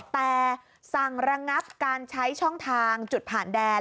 แต่สั่งระงับการใช้ช่องทางจุดผ่านแดน